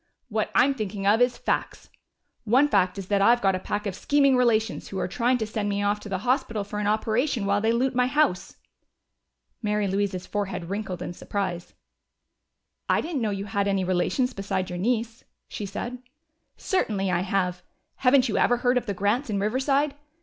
"What I'm thinking of is facts. One fact is that I've got a pack of scheming relations who are trying to send me off to the hospital for an operation while they loot my house." Mary Louise's forehead wrinkled in surprise. "I didn't know you had any relations besides your niece," she said. "Certainly I have. Haven't you ever heard of the Grants in Riverside?